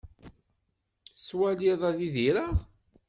Tettwaliḍ ad idireɣ?